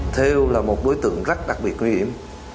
theo là một đối tượng rất đặc biệt nguy hiểm